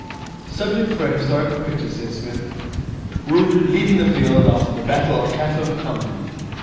'Subject for a historical picture,' said Psmith. 'Wounded leaving the field after the Battle of Clapham Common.